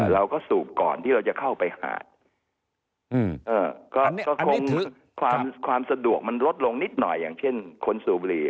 สูบก่อนที่เราจะเข้าไปหาก็คงความสะดวกมันลดลงนิดหน่อยอย่างเช่นคนสูบบุหรี่